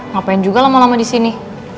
ngapain juga lama lama disini